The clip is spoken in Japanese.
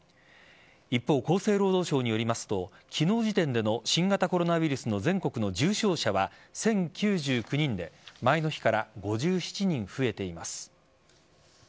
一方、厚生労働省によりますと昨日時点での新型コロナウイルスの全国の重症者は１０９９人で前の日から５７人増えています。